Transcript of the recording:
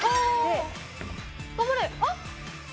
あっ！